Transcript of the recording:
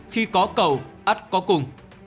khi có cầu ắt có cùng